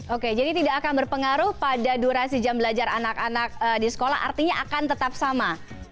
oke jadi tidak akan berpengaruh pada durasi jam belajar anak anak di sekolah artinya akan tetap sama